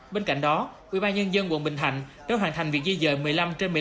bên cạnh đó ủy ban nhân dân quận bình thạnh đã hoàn thành việc di dời một mươi năm trên một mươi năm